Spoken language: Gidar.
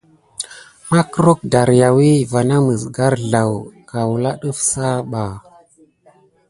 Makkrok dariawi va na məs garzlaw kawla ɗəf sah ɓa.